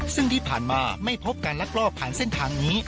ซึ่งที่ผ่านมาไม่พบการลักลอบผ่านเส้นทางนี้